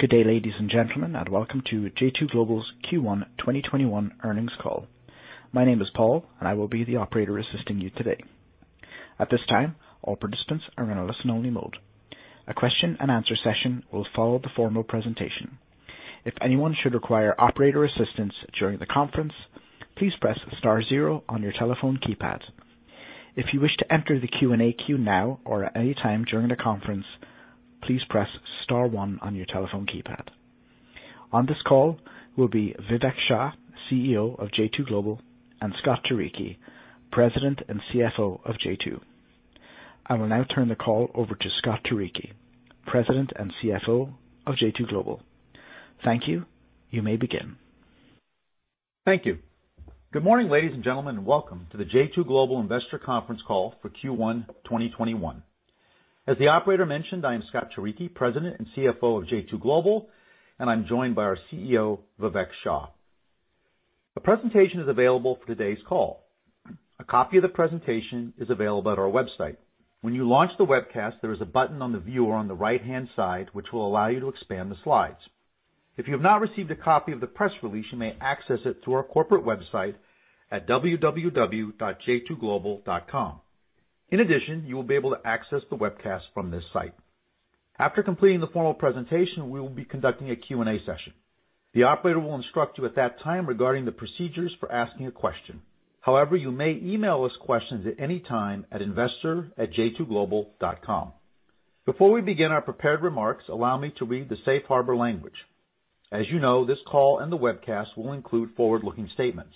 Good day, ladies and gentlemen, and welcome to J2 Global's Q1 2021 Earnings Call. My name is Paul, and I will be the operator assisting you today. At this time, all participants are in a listen-only mode. A question and answer session will follow the formal presentation. If anyone should require operator assistance during the conference, please press star zero on your telephone keypad. If you wish to enter the Q&A queue now or at any time during the conference, please press star one on your telephone keypad. On this call will be Vivek Shah, CEO of J2 Global, and Scott Turicchi, President and CFO of J2. I will now turn the call over to Scott Turicchi, President and CFO of J2 Global. Thank you. You may begin. Thank you. Good morning, ladies and gentlemen, and welcome to the J2 Global Investor Conference Call for Q1 2021. As the operator mentioned, I am Scott Turicchi, President and CFO of J2 Global, and I'm joined by our CEO, Vivek Shah. A presentation is available for today's call. A copy of the presentation is available at our website. When you launch the webcast, there is a button on the viewer on the right-hand side, which will allow you to expand the slides. If you have not received a copy of the press release, you may access it through our corporate website at www.j2global.com. In addition, you will be able to access the webcast from this site. After completing the formal presentation, we will be conducting a Q&A session. The operator will instruct you at that time regarding the procedures for asking a question. However, you may email us questions at any time at investor@j2global.com. Before we begin our prepared remarks, allow me to read the safe harbor language. As you know, this call and the webcast will include forward-looking statements.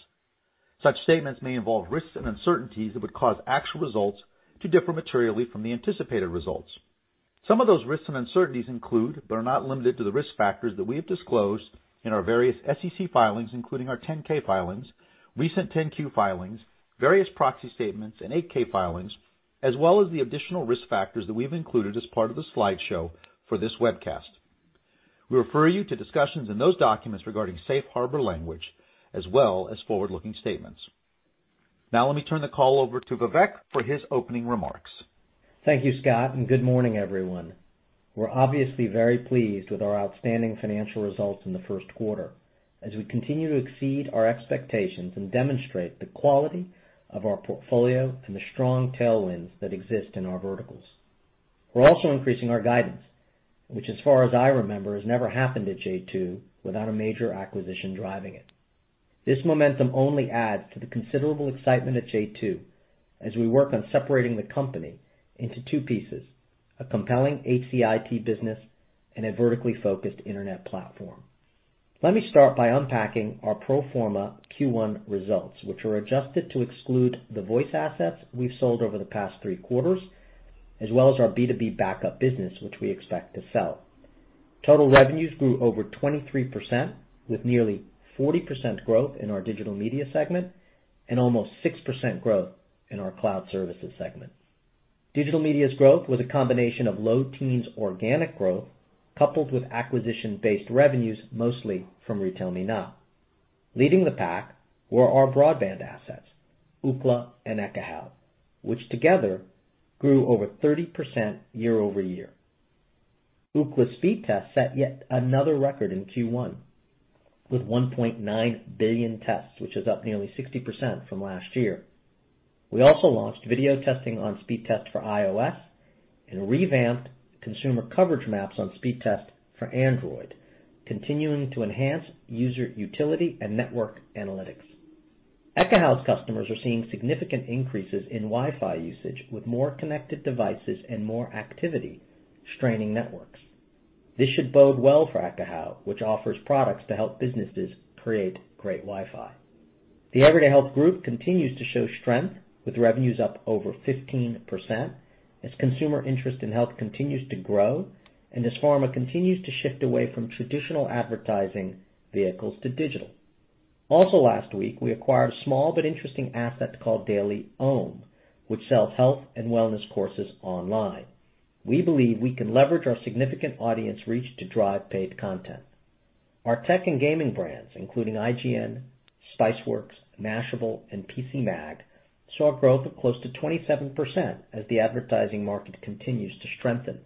Such statements may involve risks and uncertainties that would cause actual results to differ materially from the anticipated results. Some of those risks and uncertainties include, but are not limited to, the risk factors that we have disclosed in our various SEC filings, including our 10-K filings, recent 10-Q filings, various proxy statements, and 8-K filings, as well as the additional risk factors that we've included as part of the slideshow for this webcast. We refer you to discussions in those documents regarding safe harbor language, as well as forward-looking statements. Now let me turn the call over to Vivek for his opening remarks. Thank you, Scott, and good morning, everyone. We're obviously very pleased with our outstanding financial results in the first quarter as we continue to exceed our expectations and demonstrate the quality of our portfolio and the strong tailwinds that exist in our verticals. We're also increasing our guidance, which as far as I remember, has never happened at J2 without a major acquisition driving it. This momentum only adds to the considerable excitement at J2 as we work on separating the company into two pieces, a compelling HCIT business and a vertically-focused internet platform. Let me start by unpacking our pro forma Q1 results, which are adjusted to exclude the voice assets we've sold over the past three quarters, as well as our B2B backup business, which we expect to sell. Total revenues grew over 23%, with nearly 40% growth in our digital media segment and almost 6% growth in our cloud services segment. Digital media's growth was a combination of low teens organic growth, coupled with acquisition-based revenues, mostly from RetailMeNot. Leading the pack were our broadband assets, Ookla and Ekahau, which together grew over 30% year-over-year. Ookla Speedtest set yet another record in Q1 with 1.9 billion tests, which is up nearly 60% from last year. We also launched video testing on Speedtest for iOS and revamped consumer coverage maps on Speedtest for Android, continuing to enhance user utility and network analytics. Ekahau's customers are seeing significant increases in Wi-Fi usage with more connected devices and more activity, straining networks. This should bode well for Ekahau, which offers products to help businesses create great Wi-Fi. The Everyday Health Group continues to show strength with revenues up over 15% as consumer interest in health continues to grow and as pharma continues to shift away from traditional advertising vehicles to digital. Last week, we acquired a small but interesting asset called DailyOM, which sells health and wellness courses online. We believe we can leverage our significant audience reach to drive paid content. Our tech and gaming brands, including IGN, Spiceworks, Mashable, and PCMag, saw growth of close to 27% as the advertising market continues to strengthen.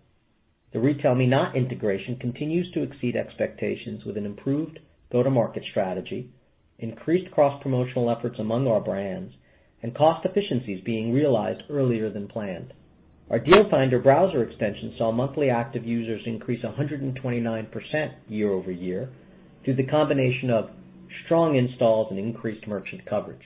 The RetailMeNot integration continues to exceed expectations with an improved go-to-market strategy, increased cross-promotional efforts among our brands, and cost efficiencies being realized earlier than planned. Our Deal Finder browser extension saw monthly active users increase 129% year-over-year through the combination of strong installs and increased merchant coverage.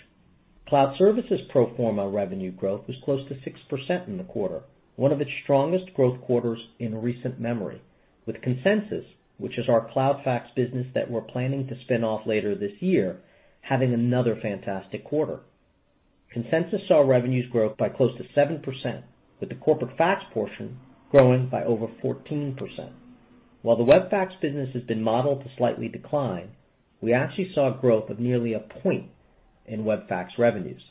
Cloud services pro forma revenue growth was close to 6% in the quarter, one of its strongest growth quarters in recent memory, with Consensus, which is our cloud fax business that we're planning to spin off later this year, having another fantastic quarter. Consensus saw revenues grow by close to 7%, with the corporate fax portion growing by over 14%. While the web fax business has been modeled to slightly decline, we actually saw growth of nearly a point in web fax revenues.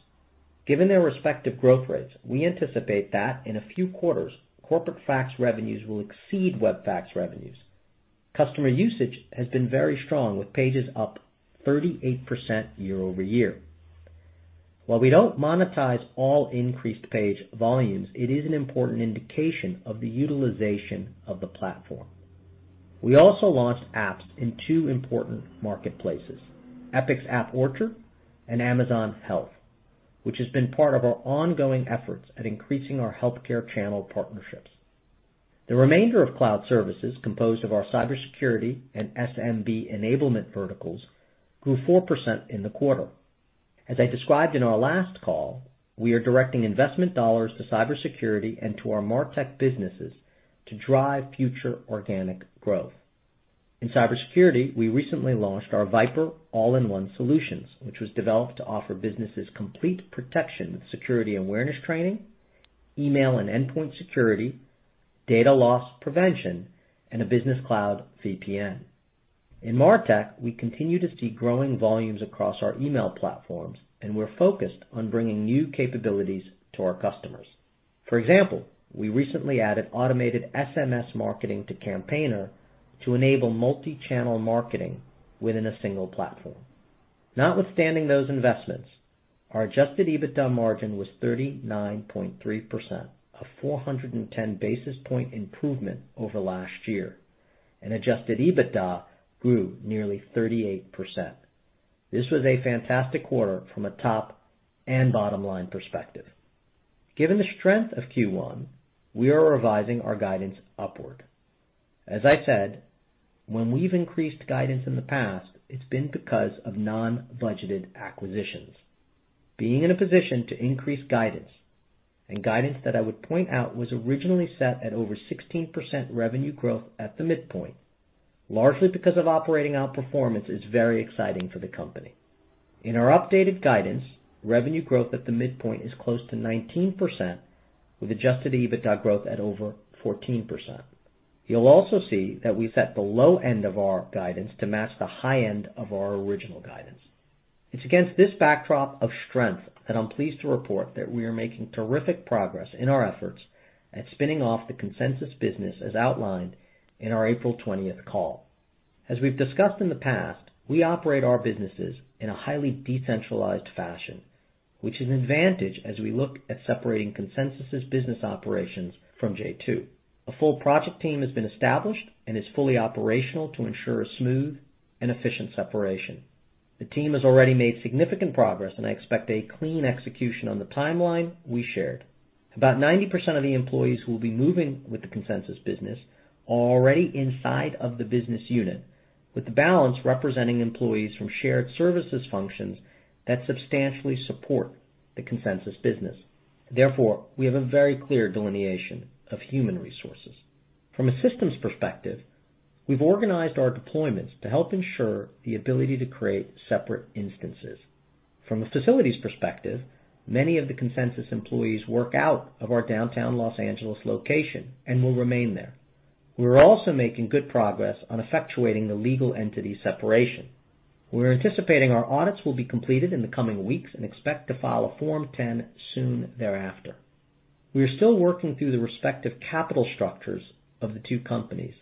Given their respective growth rates, we anticipate that in a few quarters, corporate fax revenues will exceed web fax revenues. Customer usage has been very strong, with pages up 38% year-over-year. While we don't monetize all increased page volumes, it is an important indication of the utilization of the platform. We also launched apps in two important marketplaces, Epic's App Orchard and Amazon Health, which has been part of our ongoing efforts at increasing our healthcare channel partnerships. The remainder of cloud services composed of our cybersecurity and SMB enablement verticals grew 4% in the quarter. As I described in our last call, we are directing investment dollars to cybersecurity and to our MarTech businesses to drive future organic growth. In cybersecurity, we recently launched our VIPRE All-in-One Solutions, which was developed to offer businesses complete protection with security awareness training, email and endpoint security, data loss prevention, and a business cloud VPN. In MarTech, we continue to see growing volumes across our email platforms, and we're focused on bringing new capabilities to our customers. For example, we recently added automated SMS marketing to Campaigner to enable multi-channel marketing within a single platform. Notwithstanding those investments, our adjusted EBITDA margin was 39.3%, a 410 basis point improvement over last year, and adjusted EBITDA grew nearly 38%. This was a fantastic quarter from a top and bottom-line perspective. Given the strength of Q1, we are revising our guidance upward. As I said, when we've increased guidance in the past, it's been because of non-budgeted acquisitions. Being in a position to increase guidance, and guidance that I would point out was originally set at over 16% revenue growth at the midpoint, largely because of operating outperformance, is very exciting for the company. In our updated guidance, revenue growth at the midpoint is close to 19%, with adjusted EBITDA growth at over 14%. You'll also see that we've set the low end of our guidance to match the high end of our original guidance. It's against this backdrop of strength that I'm pleased to report that we are making terrific progress in our efforts at spinning off the Consensus business as outlined in our April 20th call. As we've discussed in the past, we operate our businesses in a highly decentralized fashion, which is an advantage as we look at separating Consensus' business operations from J2. A full project team has been established and is fully operational to ensure a smooth and efficient separation. The team has already made significant progress, and I expect a clean execution on the timeline we shared. About 90% of the employees who will be moving with the Consensus business are already inside of the business unit, with the balance representing employees from shared services functions that substantially support the Consensus business. Therefore, we have a very clear delineation of human resources. From a systems perspective, we've organized our deployments to help ensure the ability to create separate instances. From a facilities perspective, many of the Consensus employees work out of our downtown Los Angeles location and will remain there. We're also making good progress on effectuating the legal entity separation. We're anticipating our audits will be completed in the coming weeks and expect to file a Form 10 soon thereafter. We are still working through the respective capital structures of the two companies,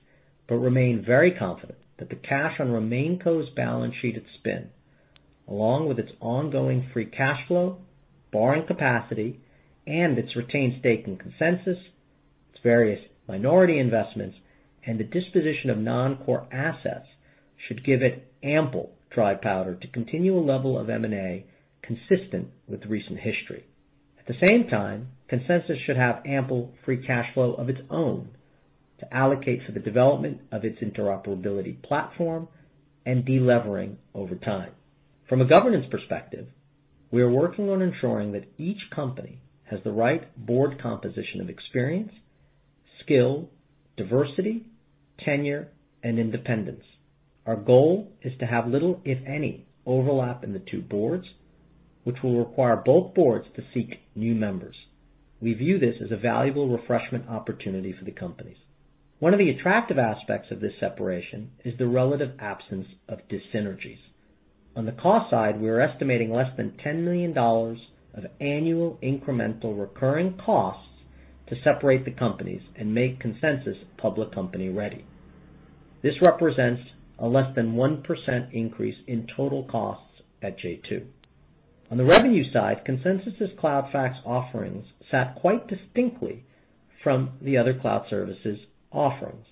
but remain very confident that the cash on RemainCo's balance sheet at spin, along with its ongoing free cash flow, borrowing capacity, and its retained stake in Consensus, its various minority investments, and the disposition of non-core assets should give it ample dry powder to continue a level of M&A consistent with recent history. At the same time, Consensus should have ample free cash flow of its own to allocate for the development of its interoperability platform and de-levering over time. From a governance perspective, we are working on ensuring that each company has the right board composition of experience, skill, diversity, tenure, and independence. Our goal is to have little, if any, overlap in the two boards, which will require both boards to seek new members. We view this as a valuable refreshment opportunity for the companies. One of the attractive aspects of this separation is the relative absence of dyssynergies. On the cost side, we are estimating less than $10 million of annual incremental recurring costs to separate the companies and make Consensus public company ready. This represents a less than 1% increase in total costs at J2. On the revenue side, Consensus Cloud Fax offerings sat quite distinctly from the other cloud services offerings.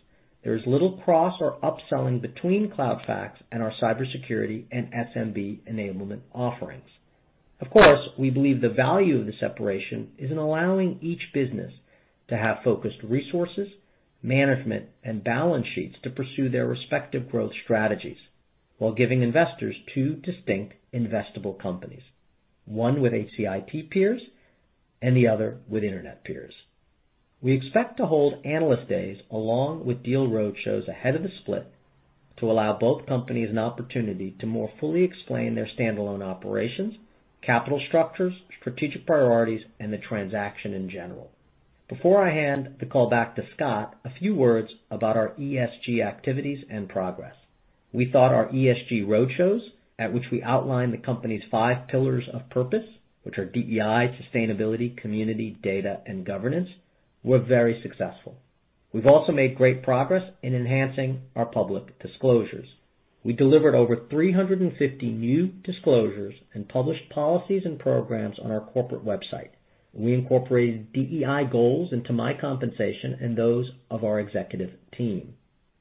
There is little cross or upselling between Cloud Fax and our cybersecurity and SMB enablement offerings. Of course, we believe the value of the separation is in allowing each business to have focused resources, management, and balance sheets to pursue their respective growth strategies while giving investors two distinct investable companies, one with HCIT peers and the other with internet peers. We expect to hold analyst days along with deal roadshows ahead of the split to allow both companies an opportunity to more fully explain their standalone operations, capital structures, strategic priorities, and the transaction in general. Before I hand the call back to Scott, a few words about our ESG activities and progress. We thought our ESG roadshows, at which we outlined the company's five pillars of purpose, which are DEI, sustainability, community, data, and governance, were very successful. We've also made great progress in enhancing our public disclosures. We delivered over 350 new disclosures and published policies and programs on our corporate website. We incorporated DEI goals into my compensation and those of our executive team.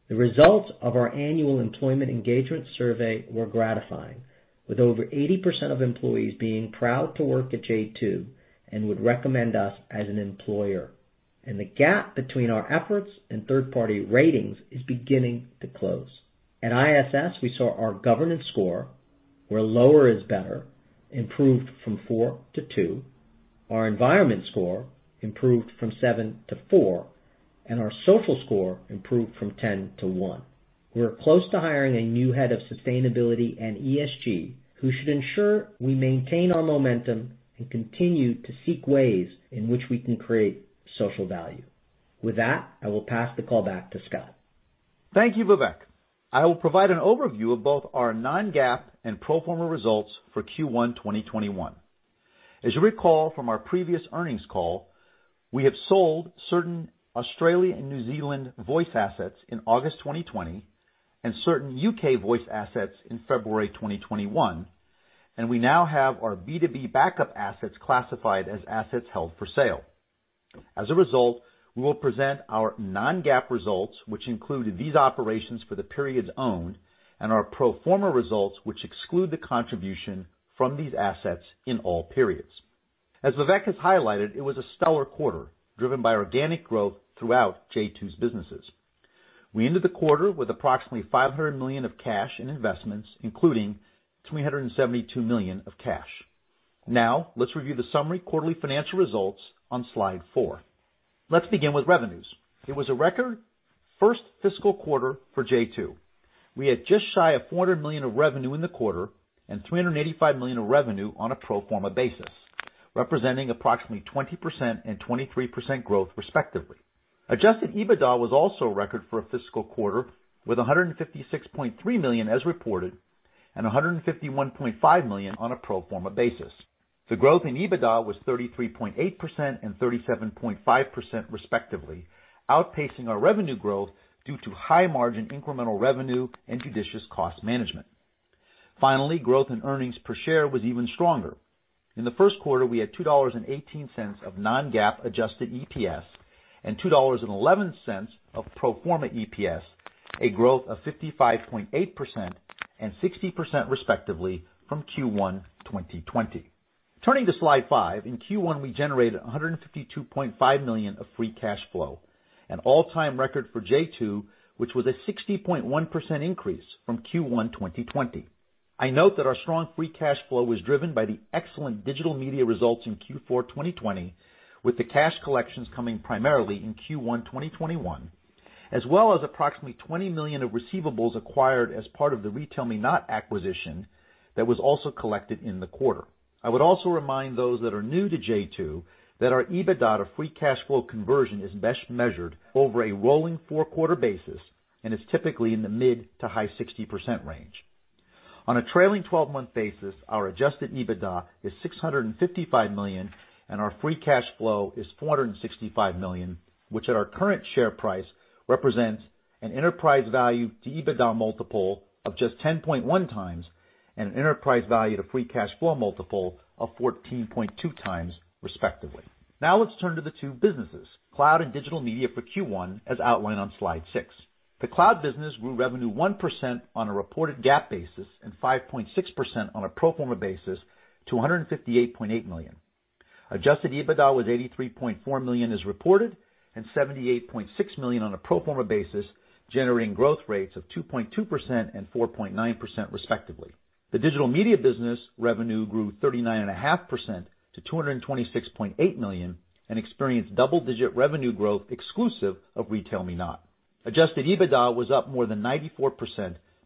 The results of our annual employment engagement survey were gratifying, with over 80% of employees being proud to work at J2 and would recommend us as an employer. The gap between our efforts and third-party ratings is beginning to close. At ISS, we saw our governance score, where lower is better, improved from four to two, our environment score improved from seven to four, and our social score improved from 10 to 1. We are close to hiring a new head of sustainability and ESG, who should ensure we maintain our momentum and continue to seek ways in which we can create social value. With that, I will pass the call back to Scott. Thank you, Vivek. I will provide an overview of both our non-GAAP and pro forma results for Q1 2021. As you'll recall from our previous earnings call, we have sold certain Australia and New Zealand voice assets in August 2020 and certain UK voice assets in February 2021, and we now have our B2B backup assets classified as assets held for sale. As a result, we will present our non-GAAP results, which include these operations for the periods owned, and our pro forma results, which exclude the contribution from these assets in all periods. As Vivek has highlighted, it was a stellar quarter, driven by organic growth throughout J2's businesses. We ended the quarter with approximately $500 million of cash and investments, including $372 million of cash. Let's review the summary quarterly financial results on slide four. Let's begin with revenues. It was a record first fiscal quarter for J2. We had just shy of $400 million of revenue in the quarter and $385 million of revenue on a pro forma basis, representing approximately 20% and 23% growth respectively. Adjusted EBITDA was also a record for a fiscal quarter, with $156.3 million as reported and $151.5 million on a pro forma basis. The growth in EBITDA was 33.8% and 37.5% respectively, outpacing our revenue growth due to high-margin incremental revenue and judicious cost management. Growth in earnings per share was even stronger. In the Q1, we had $2.18 of non-GAAP adjusted EPS and $2.11 of pro forma EPS, a growth of 55.8% and 60% respectively from Q1 2020. Turning to slide five, in Q1, we generated $152.5 million of free cash flow, an all-time record for J2, which was a 60.1% increase from Q1 2020. I note that our strong free cash flow was driven by the excellent digital media results in Q4 2020, with the cash collections coming primarily in Q1 2021, as well as approximately $20 million of receivables acquired as part of the RetailMeNot acquisition that was also collected in the quarter. I would also remind those that are new to J2 that our EBITDA to free cash flow conversion is best measured over a rolling four-quarter basis and is typically in the mid to high 60% range. On a trailing 12-month basis, our adjusted EBITDA is $655 million and our free cash flow is $465 million, which at our current share price, represents an enterprise value to EBITDA multiple of just 10.1 times and an enterprise value to free cash flow multiple of 14.2 times respectively. Let's turn to the two businesses, cloud and digital media for Q1, as outlined on slide six. The cloud business grew revenue 1% on a reported GAAP basis and 5.6% on a pro forma basis to $158.8 million. Adjusted EBITDA was $83.4 million as reported and $78.6 million on a pro forma basis, generating growth rates of 2.2% and 4.9% respectively. The digital media business revenue grew 39.5% to $226.8 million and experienced double-digit revenue growth exclusive of RetailMeNot. Adjusted EBITDA was up more than 94%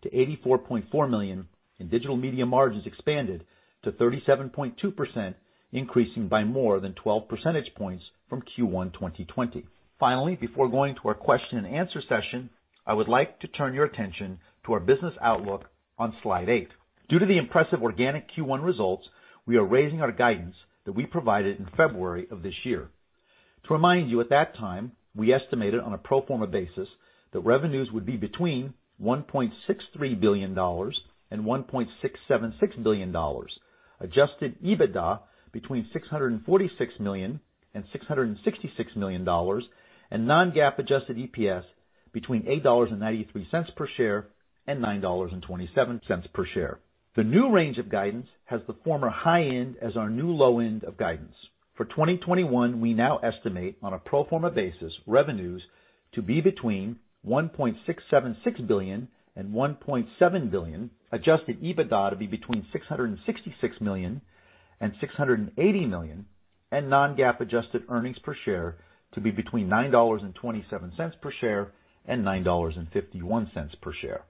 to $84.4 million, and digital media margins expanded to 37.2%, increasing by more than 12 percentage points from Q1 2020. Before going to our question and answer session, I would like to turn your attention to our business outlook on slide eight. Due to the impressive organic Q1 results, we are raising our guidance that we provided in February of this year. To remind you, at that time, we estimated on a pro forma basis that revenues would be between $1.63 billion and $1.676 billion, adjusted EBITDA between $646 million and $666 million, and non-GAAP adjusted EPS between $8.93 per share and $9.27 per share. The new range of guidance has the former high end as our new low end of guidance. For 2021, we now estimate on a pro forma basis revenues to be between $1.676 billion and $1.7 billion, adjusted EBITDA to be between $666 million and $680 million, and non-GAAP adjusted earnings per share to be between $9.27 per share and $9.51 per share.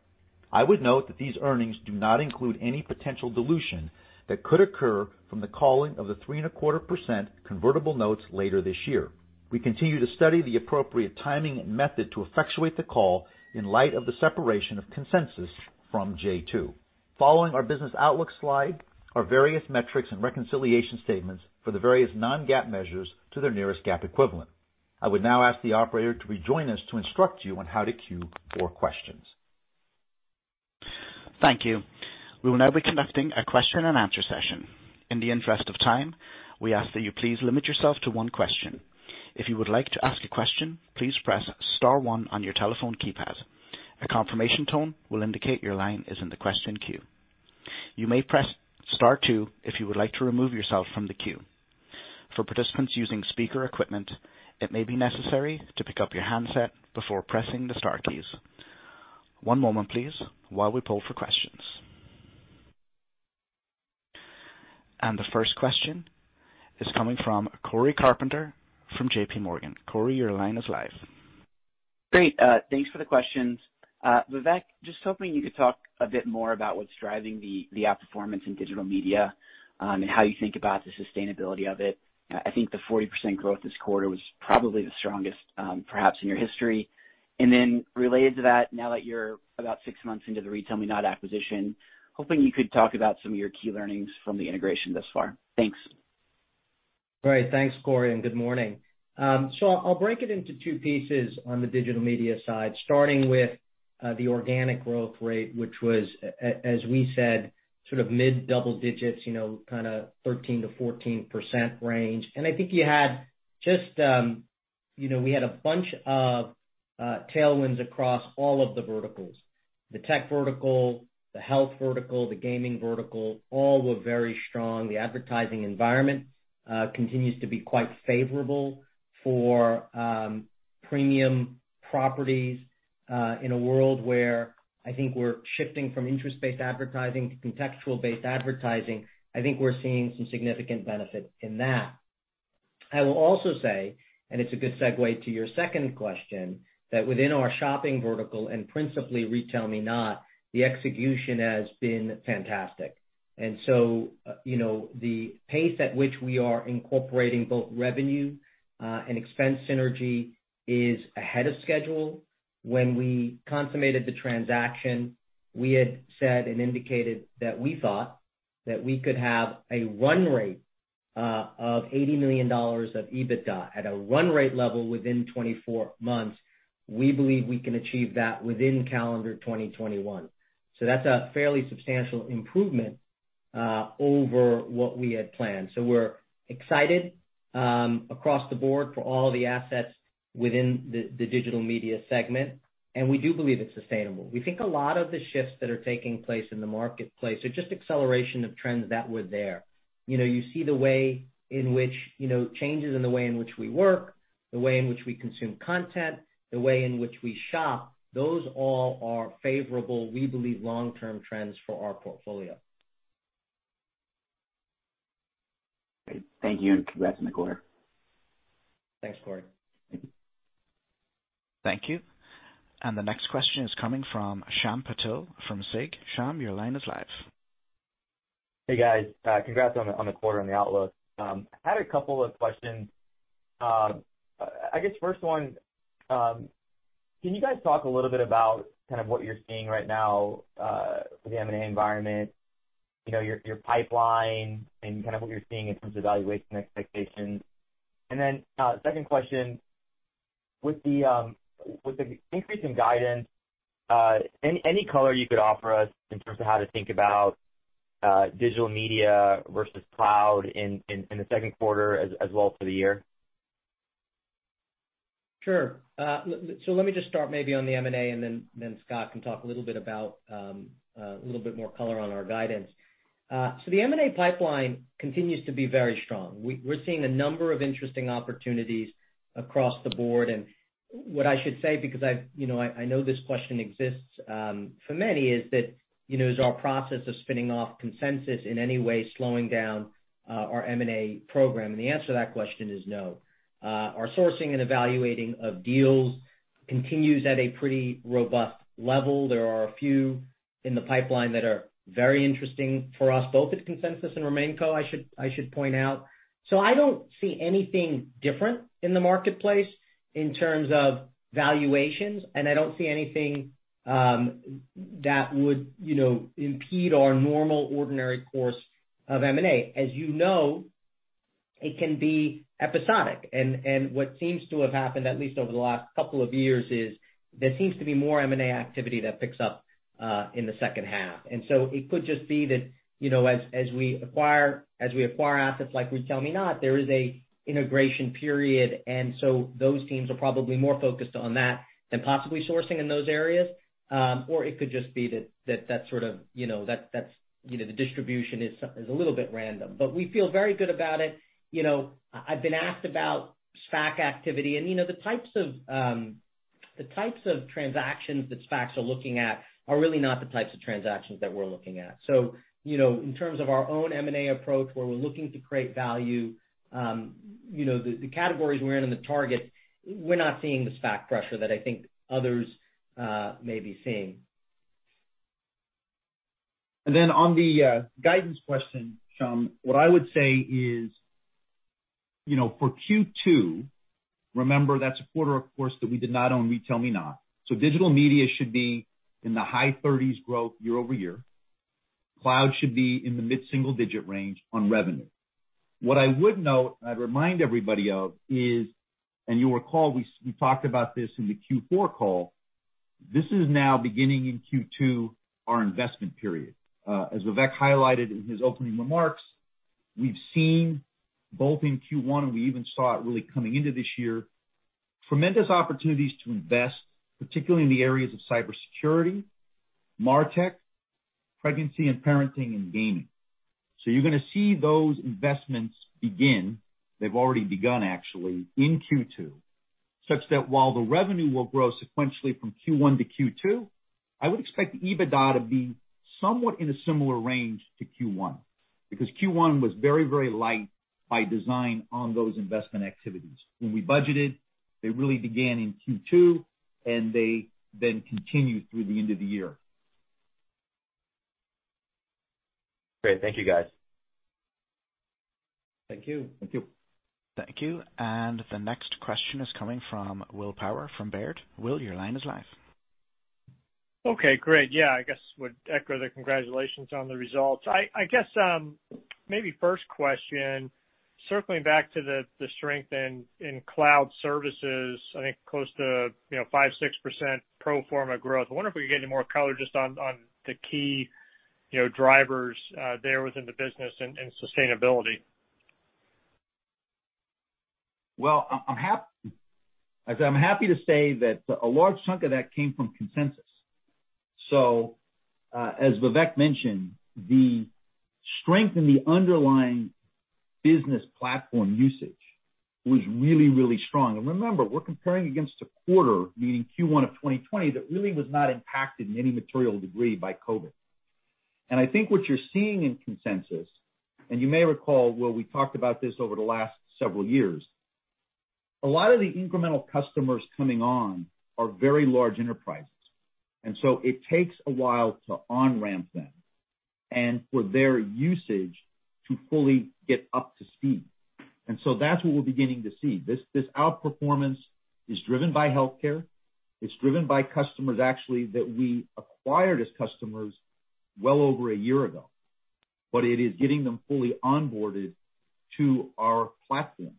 I would note that these earnings do not include any potential dilution that could occur from the calling of the 3.25% convertible notes later this year. We continue to study the appropriate timing and method to effectuate the call in light of the separation of Consensus from J2. Following our business outlook slide are various metrics and reconciliation statements for the various non-GAAP measures to their nearest GAAP equivalent. I would now ask the operator to rejoin us to instruct you on how to queue for questions. Thank you. We will now be conducting a question and answer session. The first question is coming from Cory Carpenter from JPMorgan. Cory, your line is live. Great. Thanks for the questions. Vivek, just hoping you could talk a bit more about what's driving the outperformance in digital media, and how you think about the sustainability of it. I think the 40% growth this quarter was probably the strongest, perhaps in your history. Related to that, now that you're about six months into the RetailMeNot acquisition, hoping you could talk about some of your key learnings from the integration thus far. Thanks. Great. Thanks, Cory, and good morning. I'll break it into two pieces on the digital media side, starting with the organic growth rate, which was, as we said, sort of mid double digits, kind of 13%-14% range. I think We had a bunch of tailwinds across all of the verticals. The tech vertical, the health vertical, the gaming vertical, all were very strong. The advertising environment continues to be quite favorable for premium properties. In a world where I think we're shifting from interest-based advertising to contextual-based advertising, I think we're seeing some significant benefit in that. I will also say, and it's a good segue to your second question, that within our shopping vertical and principally RetailMeNot, the execution has been fantastic. The pace at which we are incorporating both revenue, and expense synergy is ahead of schedule. When we consummated the transaction, we had said and indicated that we thought that we could have a run rate of $80 million of EBITDA at a run rate level within 24 months. We believe we can achieve that within calendar 2021. That's a fairly substantial improvement over what we had planned. We're excited across the board for all the assets within the digital media segment, and we do believe it's sustainable. We think a lot of the shifts that are taking place in the marketplace are just acceleration of trends that were there. You see the way in which changes in the way in which we work, the way in which we consume content, the way in which we shop, those all are favorable, we believe, long-term trends for our portfolio. Great. Thank you, and congrats on the quarter. Thanks, Cory. Thank you. Thank you. The next question is coming from Shyam Patil from SIG. Shyam, your line is live. Hey, guys. Congrats on the quarter and the outlook. I had a couple of questions. I guess first one, can you guys talk a little bit about what you're seeing right now with the M&A environment, your pipeline and what you're seeing in terms of valuation expectations? Second question, with the increase in guidance, any color you could offer us in terms of how to think about digital media versus cloud in the second quarter as well for the year? Sure. Let me just start maybe on the M&A and then Scott can talk a little bit more color on our guidance. The M&A pipeline continues to be very strong. We're seeing a number of interesting opportunities across the board. What I should say, because I know this question exists for many, is that, is our process of spinning off Consensus in any way slowing down our M&A program? The answer to that question is no. Our sourcing and evaluating of deals continues at a pretty robust level. There are a few in the pipeline that are very interesting for us, both at Consensus and RemainCo, I should point out. I don't see anything different in the marketplace in terms of valuations, and I don't see anything that would impede our normal ordinary course of M&A. As you know, it can be episodic. What seems to have happened, at least over the last couple of years, is there seems to be more M&A activity that picks up in the second half. It could just be that as we acquire assets like RetailMeNot, there is an integration period, and so those teams are probably more focused on that than possibly sourcing in those areas. It could just be that the distribution is a little bit random. We feel very good about it. I've been asked about SPAC activity, and the types of transactions that SPACs are looking at are really not the types of transactions that we're looking at. In terms of our own M&A approach, where we're looking to create value, the categories we're in and the targets, we're not seeing the SPAC pressure that I think others may be seeing. On the guidance question, Shyam, what I would say is for Q2, remember that's a quarter, of course, that we did not own RetailMeNot. Digital media should be in the high 30s growth year-over-year. Cloud should be in the mid-single-digit range on revenue. What I would note, and I'd remind everybody of, is, and you'll recall, we talked about this in the Q4 call, this is now beginning in Q2, our investment period. As Vivek highlighted in his opening remarks, we've seen both in Q1, and we even saw it really coming into this year, tremendous opportunities to invest, particularly in the areas of cybersecurity, MarTech, pregnancy and parenting, and gaming. You're going to see those investments begin. They've already begun, actually, in Q2, such that while the revenue will grow sequentially from Q1 to Q2, I would expect the EBITDA to be somewhat in a similar range to Q1, because Q1 was very light by design on those investment activities. When we budgeted, they really began in Q2, and they then continued through the end of the year. Great. Thank you, guys. Thank you. Thank you. Thank you. The next question is coming from Will Power from Baird. Will, your line is live. Okay, great. Yeah, I guess would echo the congratulations on the results. I guess, maybe first question, circling back to the strength in cloud services, I think close to five, six% pro forma growth. I wonder if we could get any more color just on the key drivers there within the business and sustainability. I'm happy to say that a large chunk of that came from Consensus. As Vivek mentioned, the strength in the underlying business platform usage was really strong. Remember, we're comparing against a quarter, meaning Q1 2020, that really was not impacted in any material degree by COVID. I think what you're seeing in Consensus, and you may recall, Will, we talked about this over the last several years. A lot of the incremental customers coming on are very large enterprises. It takes a while to on-ramp them and for their usage to fully get up to speed. That's what we're beginning to see. This outperformance is driven by healthcare. It's driven by customers, actually, that we acquired as customers well over a year ago, but it is getting them fully onboarded to our platform.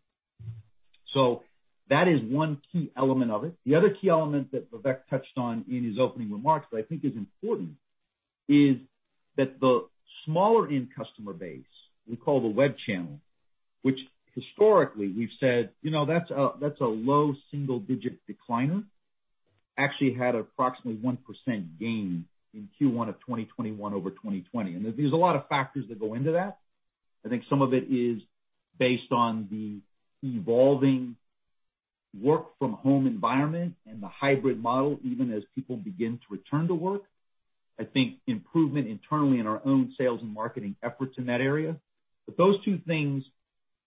That is one key element of it. The other key element that Vivek touched on in his opening remarks that I think is important is that the smaller end customer base, we call the web channel, which historically we've said that's a low single-digit decliner, actually had approximately 1% gain in Q1 2021 over 2020. There's a lot of factors that go into that. I think some of it is based on the evolving work from home environment and the hybrid model, even as people begin to return to work. I think improvement internally in our own sales and marketing efforts in that area. Those two things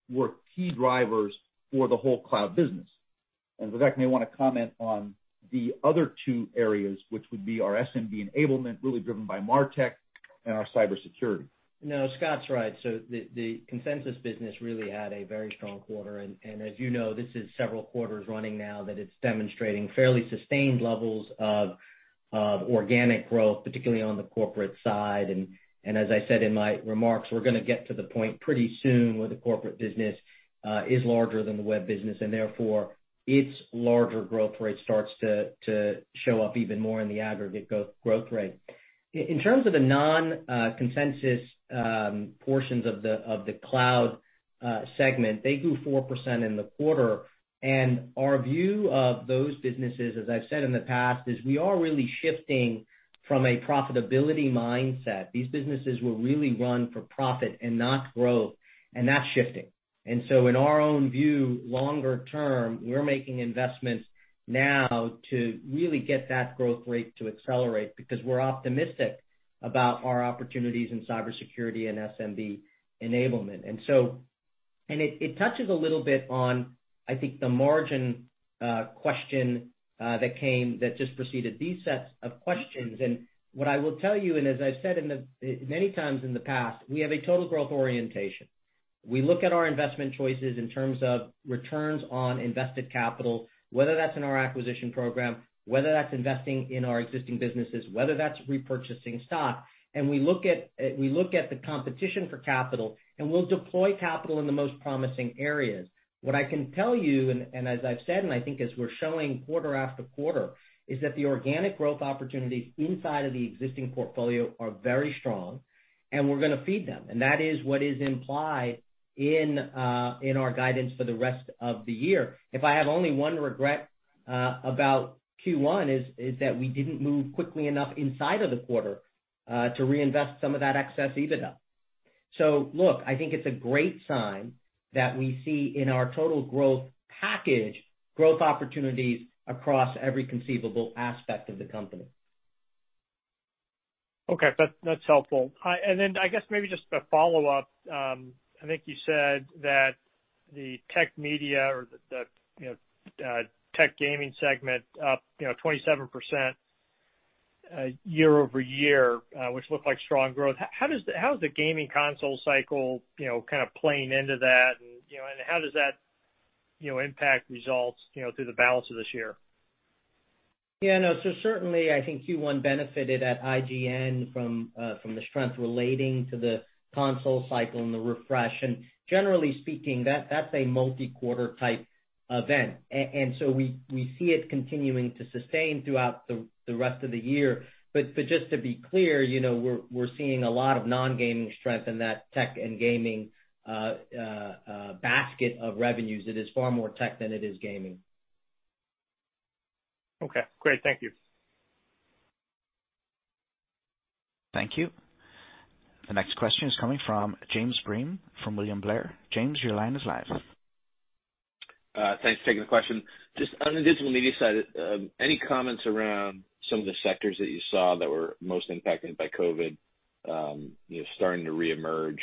were key drivers for the whole cloud business. Vivek may want to comment on the other two areas, which would be our SMB enablement, really driven by MarTech and our cybersecurity. No, Scott's right. The Consensus business really had a very strong quarter, and as you know, this is several quarters running now that it's demonstrating fairly sustained levels of organic growth, particularly on the corporate side. As I said in my remarks, we're going to get to the point pretty soon where the corporate business is larger than the web business, and therefore, its larger growth rate starts to show up even more in the aggregate growth rate. In terms of the non-Consensus portions of the cloud segment, they grew 4% in the quarter. Our view of those businesses, as I've said in the past, is we are really shifting from a profitability mindset. These businesses were really run for profit and not growth, and that's shifting. In our own view, longer term, we're making investments now to really get that growth rate to accelerate because we're optimistic about our opportunities in cybersecurity and SMB enablement. It touches a little bit on, I think, the margin question that just preceded these sets of questions. What I will tell you, and as I've said many times in the past, we have a total growth orientation. We look at our investment choices in terms of returns on invested capital, whether that's in our acquisition program, whether that's investing in our existing businesses, whether that's repurchasing stock. We look at the competition for capital, and we'll deploy capital in the most promising areas. What I can tell you, and as I've said, and I think as we're showing quarter after quarter, is that the organic growth opportunities inside of the existing portfolio are very strong, and we're going to feed them. That is what is implied in our guidance for the rest of the year. If I have only one regret about Q1 is that we didn't move quickly enough inside of the quarter to reinvest some of that excess EBITDA. Look, I think it's a great sign that we see in our total growth package, growth opportunities across every conceivable aspect of the company. Okay. That's helpful. I guess maybe just a follow-up. I think you said that the tech media or the tech gaming segment up 27% year-over-year, which looked like strong growth. How is the gaming console cycle playing into that and how does that impact results through the balance of this year? Yeah. Certainly, I think Q1 benefited at IGN from the strength relating to the console cycle and the refresh. Generally speaking, that's a multi-quarter type event. We see it continuing to sustain throughout the rest of the year. Just to be clear, we're seeing a lot of non-gaming strength in that tech and gaming basket of revenues. It is far more tech than it is gaming. Okay, great. Thank you. Thank you. The next question is coming from James Bennett from William Blair. James, your line is live. Thanks for taking the question. Just on the digital media side, any comments around some of the sectors that you saw that were most impacted by COVID starting to reemerge?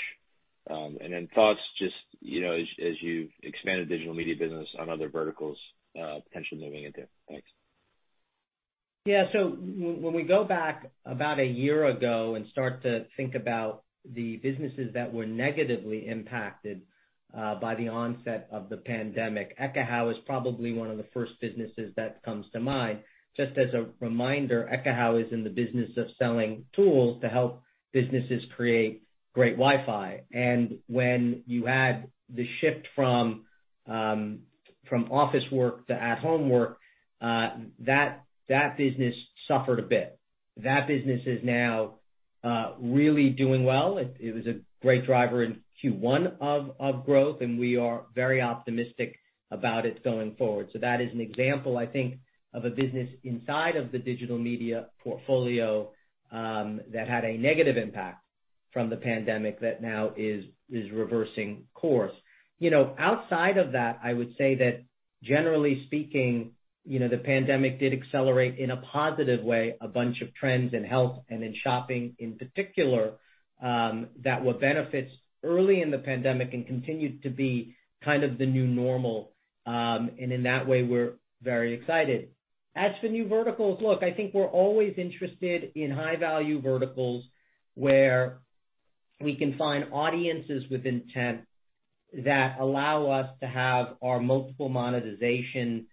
Thoughts just as you've expanded digital media business on other verticals, potentially moving into? Thanks. Yeah. When we go back about a year ago and start to think about the businesses that were negatively impacted by the onset of the pandemic, Ekahau is probably one of the first businesses that comes to mind. Just as a reminder, Ekahau is in the business of selling tools to help businesses create great Wi-Fi. When you add the shift from office work to at-home work, that business suffered a bit. That business is now really doing well. It was a great driver in Q1 of growth, and we are very optimistic about it going forward. That is an example, I think, of a business inside of the digital media portfolio that had a negative impact from the pandemic that now is reversing course. Outside of that, I would say that generally speaking, the pandemic did accelerate in a positive way, a bunch of trends in health and in shopping in particular, that were benefits early in the pandemic and continued to be kind of the new normal. In that way, we're very excited. As for new verticals, look, I think we're always interested in high-value verticals where we can find audiences with intent that allow us to have our multiple monetization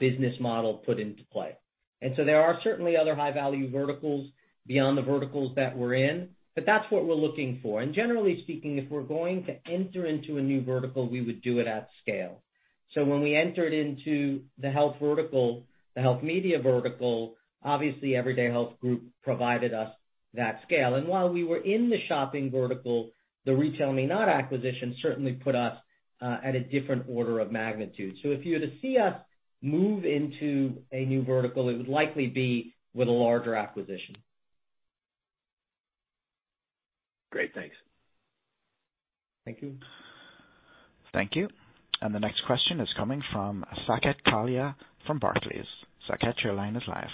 business model put into play. There are certainly other high-value verticals beyond the verticals that we're in, but that's what we're looking for. Generally speaking, if we're going to enter into a new vertical, we would do it at scale. When we entered into the health media vertical, obviously Everyday Health Group provided us that scale. While we were in the shopping vertical, the RetailMeNot acquisition certainly put us at a different order of magnitude. If you were to see us move into a new vertical, it would likely be with a larger acquisition. Great. Thanks. Thank you. Thank you. The next question is coming from Saket Kalia from Barclays. Saket, your line is live.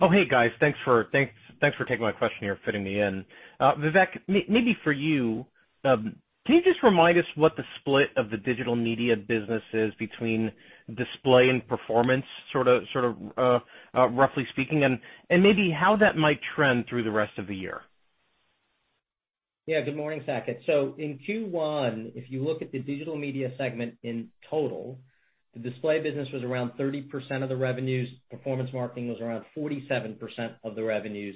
Oh, hey, guys. Thanks for taking my question here, fitting me in. Vivek, maybe for you, can you just remind us what the split of the digital media business is between display and performance, sort of roughly speaking, and maybe how that might trend through the rest of the year? Good morning, Saket. In Q1, if you look at the digital media segment in total, the display business was around 30% of the revenues, performance marketing was around 47% of the revenues,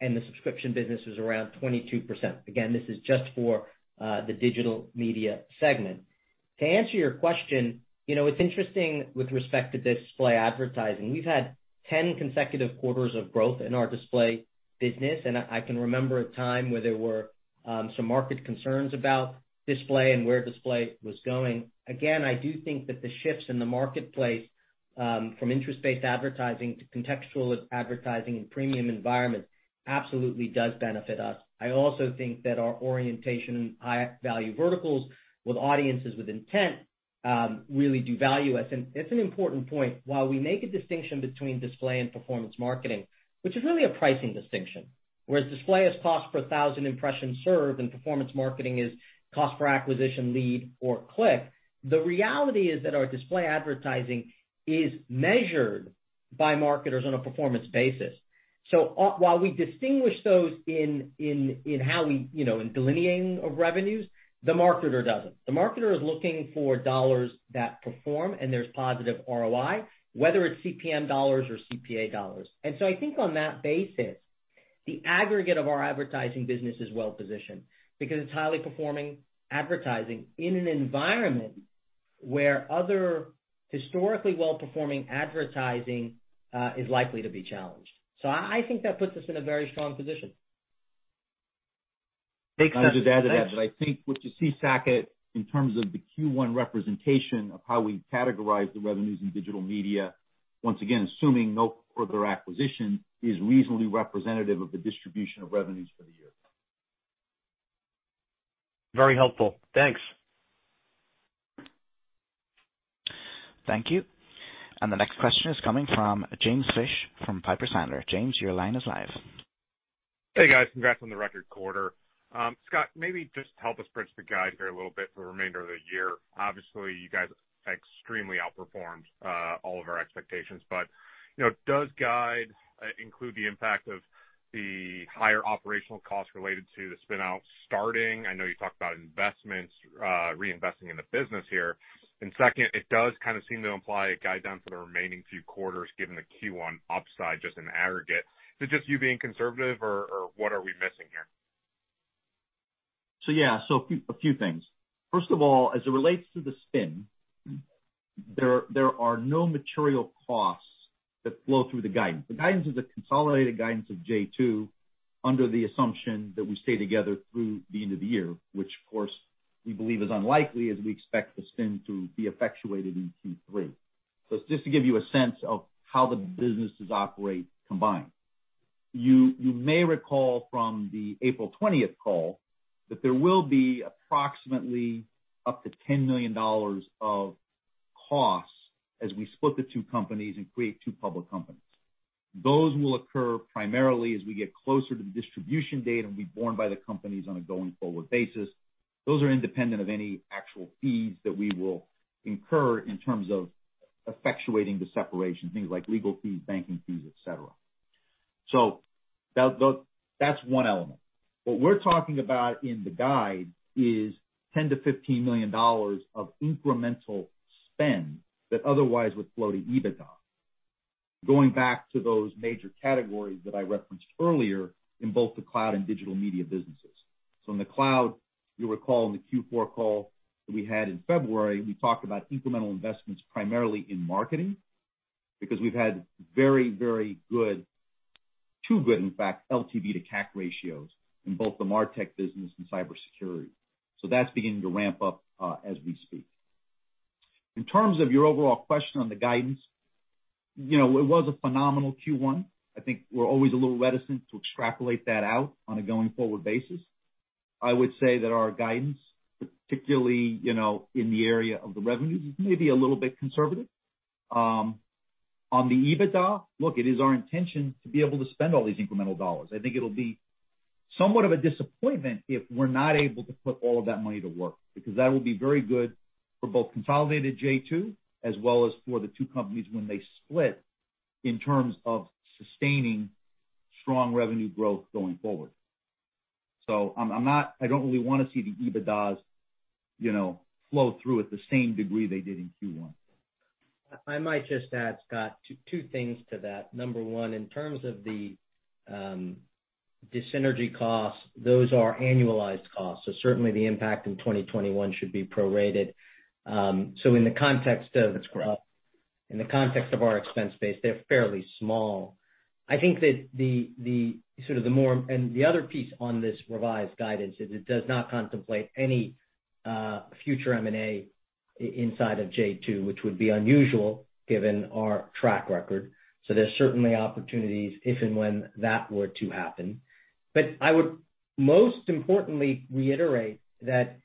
and the subscription business was around 22%. This is just for the digital media segment. To answer your question, it's interesting with respect to display advertising. We've had 10 consecutive quarters of growth in our display business, I can remember a time where there were some market concerns about display and where display was going. I do think that the shifts in the marketplace from interest-based advertising to contextual advertising and premium environments absolutely does benefit us. I also think that our orientation in high-value verticals with audiences with intent really devalue us. It's an important point. While we make a distinction between display and performance marketing, which is really a pricing distinction, whereas display is cost per thousand impressions served and performance marketing is cost per acquisition lead or click. The reality is that our display advertising is measured by marketers on a performance basis. While we distinguish those in delineating of revenues, the marketer doesn't. The marketer is looking for dollars that perform, and there's positive ROI, whether it's CPM dollars or CPA dollars. I think on that basis, the aggregate of our advertising business is well-positioned because it's highly performing advertising in an environment where other historically well-performing advertising is likely to be challenged. I think that puts us in a very strong position. Thanks. I'll just add to that I think what you see, Saket, in terms of the Q1 representation of how we categorize the revenues in digital media, once again, assuming no further acquisition, is reasonably representative of the distribution of revenues for the year. Very helpful. Thanks. Thank you. The next question is coming from James Fish from Piper Sandler. James, your line is live. Hey guys, congrats on the record quarter. Scott, maybe just help us bridge the guide here a little bit for the remainder of the year. Obviously, you guys extremely outperformed all of our expectations, but does guide include the impact of the higher operational costs related to the spin-out starting? I know you talked about investments, reinvesting in the business here. Second, it does kind of seem to imply a guide down for the remaining few quarters given the Q1 upside, just in aggregate. Is it just you being conservative or what are we missing here? Yeah. A few things. First of all, as it relates to the spin, there are no material costs that flow through the guidance. The guidance is a consolidated guidance of J2 under the assumption that we stay together through the end of the year, which of course we believe is unlikely as we expect the spin to be effectuated in Q3. It's just to give you a sense of how the businesses operate combined. You may recall from the April 20th call that there will be approximately up to $10 million of costs as we split the two companies and create two public companies. Those will occur primarily as we get closer to the distribution date and be borne by the companies on a going-forward basis. Those are independent of any actual fees that we will incur in terms of effectuating the separation, things like legal fees, banking fees, et cetera. That's one element. What we're talking about in the guide is $10 million-$15 million of incremental spend that otherwise would flow to EBITDA. Going back to those major categories that I referenced earlier in both the cloud and digital media businesses. In the cloud, you'll recall in the Q4 that we had in February, we talked about incremental investments primarily in marketing, because we've had very, very good, too good in fact, LTV to CAC ratios in both the MarTech business and cybersecurity. That's beginning to ramp up as we speak. In terms of your overall question on the guidance, it was a phenomenal Q1. I think we're always a little reticent to extrapolate that out on a going forward basis. I would say that our guidance, particularly, in the area of the revenues, is maybe a little bit conservative. On the EBITDA, look, it is our intention to be able to spend all these incremental dollars. I think it'll be somewhat of a disappointment if we're not able to put all of that money to work, because that will be very good for both consolidated J2 as well as for the two companies when they split in terms of sustaining strong revenue growth going forward. I don't really want to see the EBITDAs flow through at the same degree they did in Q1. I might just add, Scott, two things to that. Number one, in terms of the synergy costs, those are annualized costs. Certainly the impact in 2021 should be prorated. That's correct. in the context of our expense base, they're fairly small. I think that the other piece on this revised guidance is it does not contemplate any future M&A inside of J2, which would be unusual given our track record. There's certainly opportunities if and when that were to happen. I would most importantly reiterate that,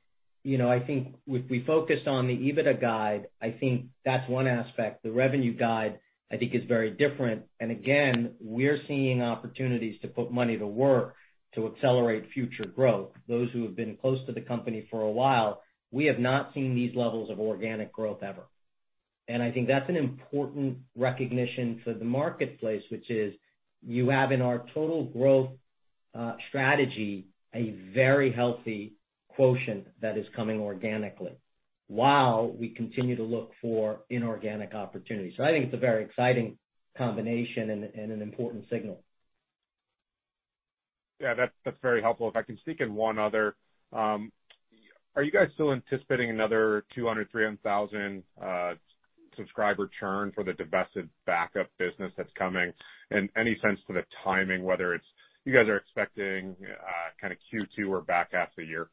I think we focused on the EBITDA guide. I think that's one aspect. The revenue guide, I think is very different. Again, we're seeing opportunities to put money to work to accelerate future growth. Those who have been close to the company for a while, we have not seen these levels of organic growth ever. I think that's an important recognition for the marketplace, which is you have in our total growth strategy a very healthy quotient that is coming organically while we continue to look for inorganic opportunities. I think it's a very exciting combination and an important signal. Yeah, that's very helpful. If I can sneak in one other. Are you guys still anticipating another 200,000, 300,000 subscriber churn for the divested backup business that's coming? Any sense to the timing, whether it's you guys are expecting kind of Q2 or back half of the year?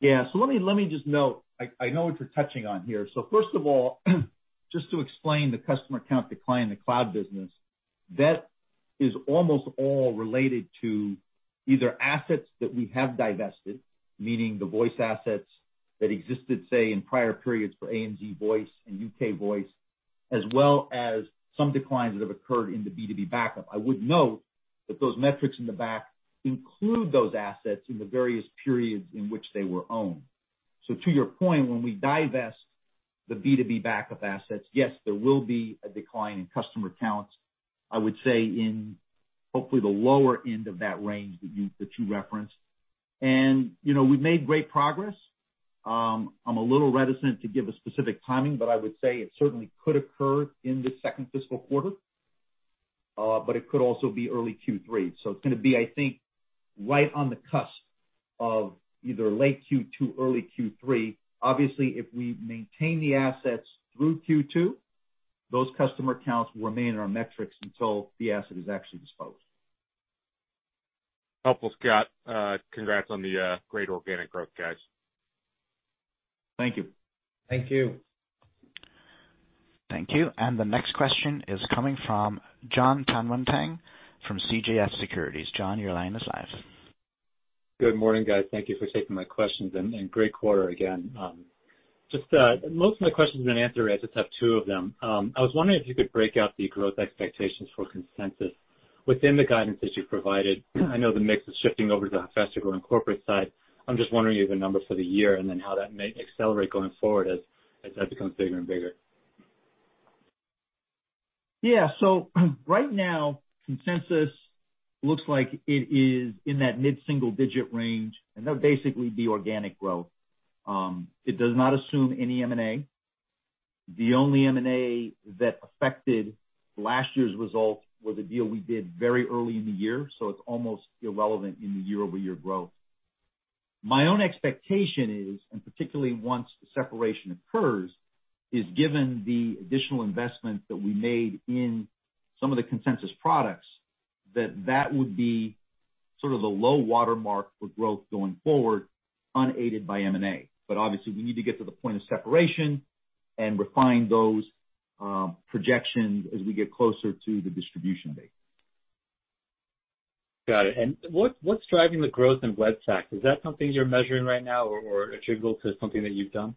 Yeah. Let me just note, I know what you're touching on here. First of all, just to explain the customer count decline in the cloud business, that is almost all related to either assets that we have divested, meaning the voice assets that existed, say, in prior periods for ANZ Voice and UK Voice, as well as some declines that have occurred in the B2B backup. I would note that those metrics in the back include those assets in the various periods in which they were owned. To your point, when we divest the B2B backup assets, yes, there will be a decline in customer counts, I would say in hopefully the lower end of that range that you referenced. We've made great progress. I'm a little reticent to give a specific timing, but I would say it certainly could occur in the second fiscal quarter. It could also be early Q3. It's gonna be, I think, right on the cusp of either late Q2, early Q3. Obviously, if we maintain the assets through Q2, those customer counts will remain in our metrics until the asset is actually disposed. Helpful, Scott. Congrats on the great organic growth, guys. Thank you. Thank you. Thank you. The next question is coming from Jon Tanwanteng from CJS Securities. Jon, your line is live. Good morning, guys. Thank you for taking my questions, and great quarter again. Most of my questions have been answered. I just have two of them. I was wondering if you could break out the growth expectations for Consensus within the guidance that you've provided. I know the mix is shifting over to the faster-growing corporate side. I'm just wondering, you have a number for the year, and then how that may accelerate going forward as that becomes bigger and bigger. Yeah. Right now, Consensus looks like it is in that mid-single digit range, and that would basically be organic growth. It does not assume any M&A. The only M&A that affected last year's result was a deal we did very early in the year. It's almost irrelevant in the year-over-year growth. My own expectation is, and particularly once the separation occurs, is given the additional investments that we made in some of the Consensus products, that that would be sort of the low watermark for growth going forward, unaided by M&A. Obviously we need to get to the point of separation and refine those projections as we get closer to the distribution date. Got it. What's driving the growth in web fax? Is that something you're measuring right now or attributable to something that you've done?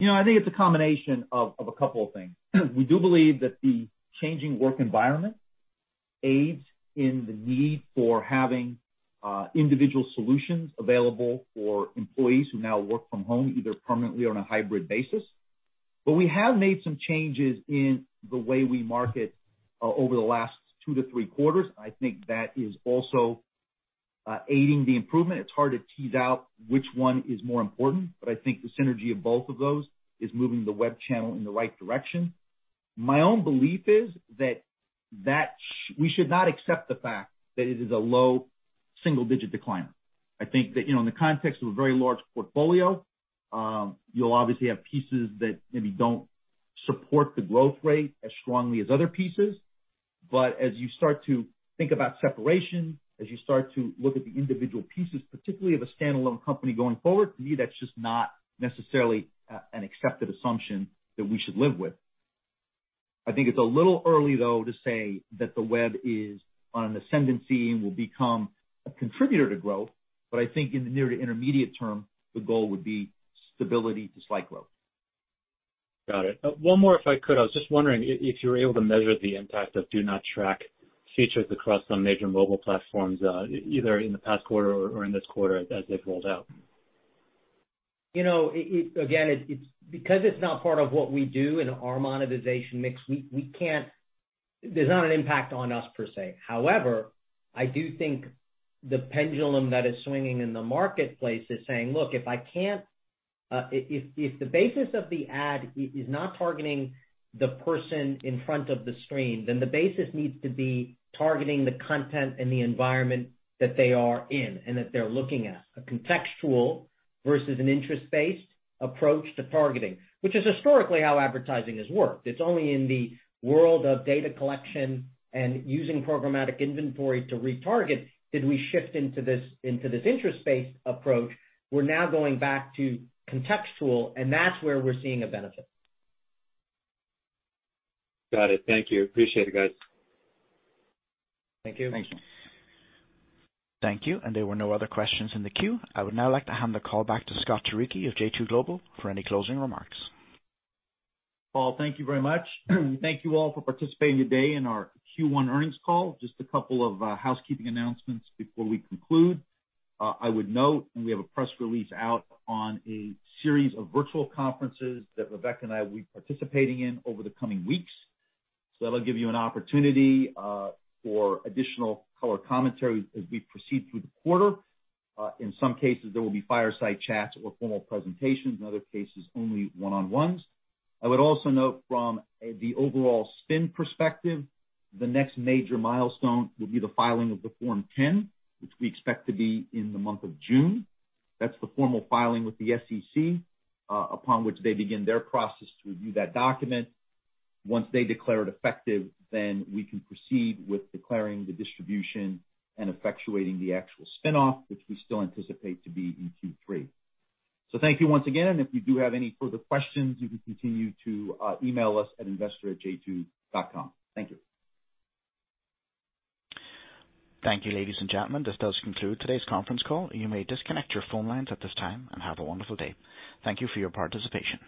I think it's a combination of a couple of things. We do believe that the changing work environment aids in the need for having individual solutions available for employees who now work from home, either permanently or on a hybrid basis. We have made some changes in the way we market over the last two to three quarters. I think that is also aiding the improvement. It's hard to tease out which one is more important, but I think the synergy of both of those is moving the web channel in the right direction. My own belief is that we should not accept the fact that it is a low single-digit decline. I think that in the context of a very large portfolio, you'll obviously have pieces that maybe don't support the growth rate as strongly as other pieces. As you start to think about separation, as you start to look at the individual pieces, particularly of a standalone company going forward, to me, that's just not necessarily an accepted assumption that we should live with. I think it's a little early, though, to say that the web is on an ascendancy and will become a contributor to growth. I think in the near to intermediate term, the goal would be stability to slight growth. Got it. One more if I could. I was just wondering if you're able to measure the impact of Do Not Track features across some major mobile platforms, either in the past quarter or in this quarter as they've rolled out. Again, because it's not part of what we do in our monetization mix, there's not an impact on us per se. However, I do think the pendulum that is swinging in the marketplace is saying, look, if the basis of the ad is not targeting the person in front of the screen, then the basis needs to be targeting the content and the environment that they are in and that they're looking at. A contextual versus an interest-based approach to targeting, which is historically how advertising has worked. It's only in the world of data collection and using programmatic inventory to retarget did we shift into this interest-based approach. We're now going back to contextual, and that's where we're seeing a benefit. Got it. Thank you. Appreciate it, guys. Thank you. Thank you. Thank you. There were no other questions in the queue. I would now like to hand the call back to Scott Turicchi of J2 Global for any closing remarks. Paul, thank you very much. Thank you all for participating today in our Q1 Earnings Call. Just a couple of housekeeping announcements before we conclude. I would note, and we have a press release out on a series of virtual conferences that Rebecca and I will be participating in over the coming weeks. That'll give you an opportunity for additional color commentary as we proceed through the quarter. In some cases, there will be fireside chats or formal presentations. In other cases, only one-on-ones. I would also note from the overall spin perspective, the next major milestone will be the filing of the Form 10, which we expect to be in the month of June. That's the formal filing with the SEC, upon which they begin their process to review that document. Once they declare it effective, then we can proceed with declaring the distribution and effectuating the actual spin-off, which we still anticipate to be in Q3. Thank you once again. If you do have any further questions, you can continue to email us at investor@j2.com. Thank you. Thank you, ladies and gentlemen. This does conclude today's conference call. You may disconnect your phone lines at this time, and have a wonderful day. Thank you for your participation.